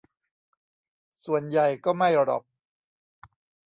ส่วนใหญ่ก็ไม่หรอก